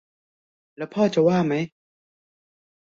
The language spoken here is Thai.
แล้วพ่อน้ำจะว่าไหม